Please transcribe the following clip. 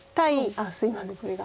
あっすいませんこれが。